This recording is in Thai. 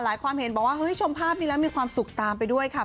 ความเห็นบอกว่าเฮ้ยชมภาพนี้แล้วมีความสุขตามไปด้วยค่ะ